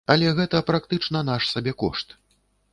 Але гэта практычна наш сабекошт.